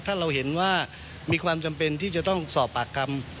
ถ้าเราเห็นว่ามีความจำเป็นที่จะต้องสอบปากคำ